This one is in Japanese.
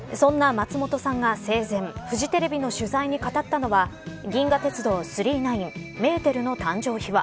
そんな松本さんが、生前フジテレビの取材に語ったのは銀河鉄道９９９メーテルの誕生秘話